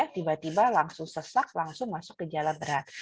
tiba tiba langsung sesak langsung masuk gejala berat